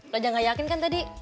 lo aja gak yakin kan tadi